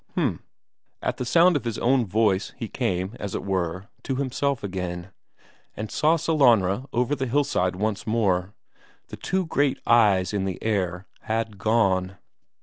H'm. At the sound of his own voice he came, as it were, to himself again, and saw Sellanraa over on the hillside once more. The two eyes in the air had gone.